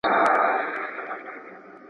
د څښاک پاکي اوبه د روغتیا لپاره لومړنی حق دی.